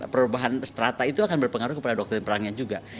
perubahan strata itu akan berpengaruh kepada doktrin perangnya juga